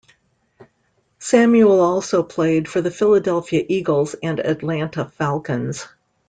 Samuel also played for the Philadelphia Eagles and Atlanta Falcons.